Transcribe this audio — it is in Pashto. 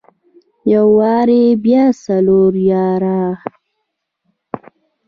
يو واري بيا څلور ياره.